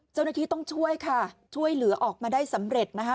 เจ้าหน้าที่ต้องช่วยค่ะช่วยเหลือออกมาได้สำเร็จนะคะ